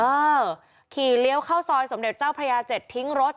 เออขี่เลี้ยวเข้าซอยสมเด็จเจ้าพระยา๗ทิ้งรถ